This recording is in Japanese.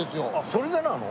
それでなの？